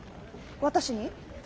私に？